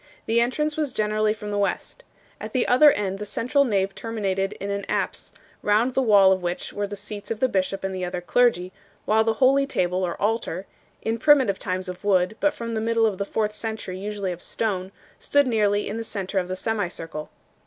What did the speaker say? The entrance was generally from the west. At the other end the central nave terminated in an apse, round the wall of which were the seats of the bishop and the other clergy, while the holy table or altar in primitive times of wood, but from the middle of the fourth century usually of stone stood nearly in the centre of the semicircle.